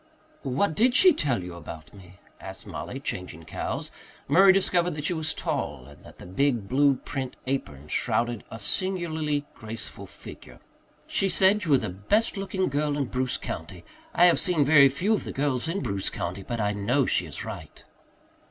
"What did she tell you about me?" asked Mollie, changing cows. Murray discovered that she was tall and that the big blue print apron shrouded a singularly graceful figure. "She said you were the best looking girl in Bruce county. I have seen very few of the girls in Bruce county, but I know she is right."